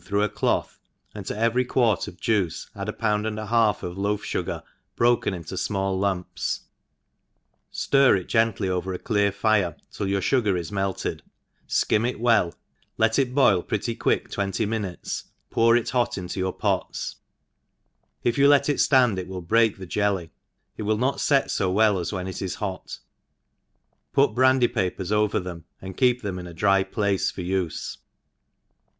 through a cloth, and to every quart of juice add a pound and a half of loaf fugar, broken in fmall lumps, ftir it gently over a clear fire till your fugar is melted, fkim it welU let it boil pretty ({nick twenty minutes, pour it hot into your pots ; if you let it ftand it will break the ( jelly, it will not fet fo well as when it is hot ; put brandy papers over them, and keep them in a dry place for ufe.